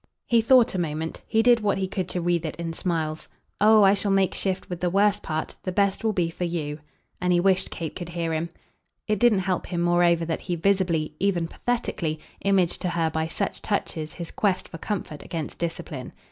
He thought a moment: he did what he could to wreathe it in smiles. "Oh I shall make shift with the worst part. The best will be for YOU." And he wished Kate could hear him. It didn't help him moreover that he visibly, even pathetically, imaged to her by such touches his quest for comfort against discipline.